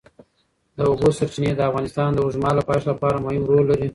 د اوبو سرچینې د افغانستان د اوږدمهاله پایښت لپاره مهم رول لري.